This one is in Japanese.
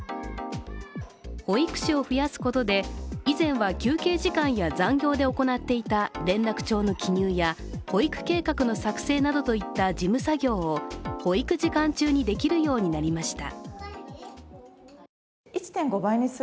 保育士を増やすことで以前は休憩時間や残業で行っていた連絡帳の記入や保育計画の作成などといった事務作業を保育時間中にできるようになりました。